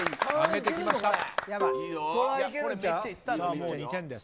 もう２点です。